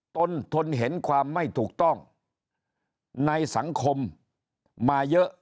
ตนทนเห็นความไม่ถูกต้องในสังคมมาเยอะ